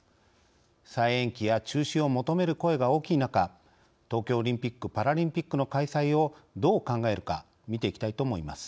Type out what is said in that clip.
再延期や中止を求める声が大きい中東京オリンピックパラリンピックの開催をどう考えるか見ていきたいと思います。